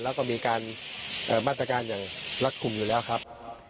และมีการมาตรการอยู่แล้วครับ